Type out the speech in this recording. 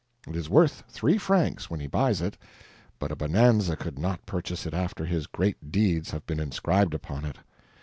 It is worth three francs when he buys it, but a bonanza could not purchase it after his great deeds have been inscribed upon it.